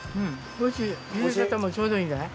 ゆで方もちょうどいいんじゃない？